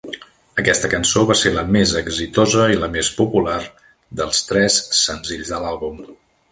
Aquesta cançó va ser la més exitosa i la més popular dels tres senzills de l'àlbum.